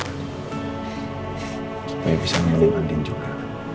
tapi bisa menemani andin juga